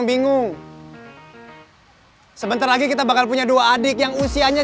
ini mah kenyataannya